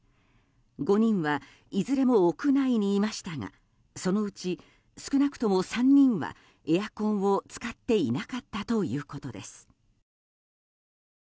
５人はいずれも屋内にいましたがそのうち少なくとも３人はエアコンを使っていなかったということです。